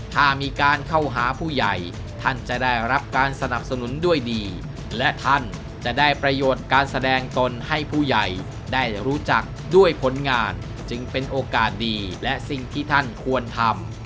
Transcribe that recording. ถ้ามีการเข้าหาผู้ใหญ่ท่านจะได้รับการสนับสนุนด้วยดีและท่านจะได้ประโยชน์การแสดงตนให้ผู้ใหญ่ได้รู้จักด้วยผลงานจึงเป็นโอกาสดีและสิ่งที่ท่านควรทำ